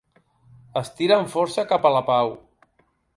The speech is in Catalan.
Estira amb força cap a la pau.